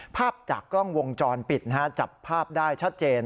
ภาพจากกล้องวงจรปิดจับภาพได้ชัดเจน